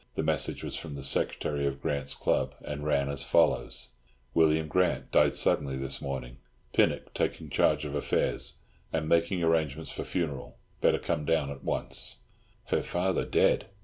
The message was from the secretary of Grant's club, and ran as follows: "William Grant died suddenly this morning. Pinnock taking charge of affairs; am making arrangements funeral. Better come down at once." Her father dead!